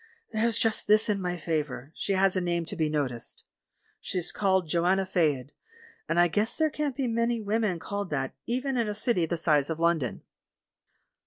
There's just this in my favour, she has a name to be noticed. She's called 'Joanna Faed,' and I guess there can't be many women called that, even in a city the size of London."